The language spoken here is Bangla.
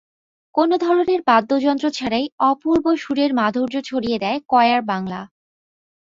কোনো ধরনের বাদ্যযন্ত্র ছাড়াই অপূর্ব সুরের মাধুর্য ছড়িয়ে দেয় কয়ার বাংলা।